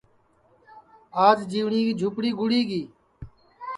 آج جیوٹؔیے کی جُھوپڑی گُڑی گی